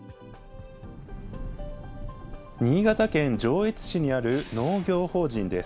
新潟県上越市にある農業法人です。